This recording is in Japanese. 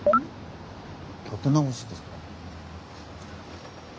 建て直しですか。